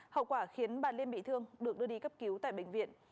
hậu quả khiến bà liên bị thương được đưa đi cấp cứu tại bệnh viện